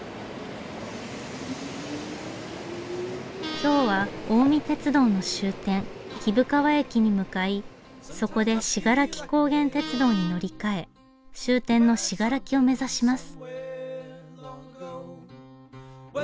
今日は近江鉄道の終点貴生川駅に向かいそこで信楽高原鐵道に乗り換え終点の信楽を目指します。